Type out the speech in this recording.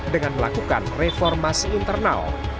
dengan melakukan reformasi internal